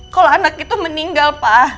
kalau anak itu meninggal